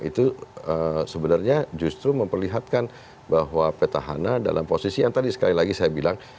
itu sebenarnya justru memperlihatkan bahwa petahana dalam posisi yang tadi sekali lagi saya bilang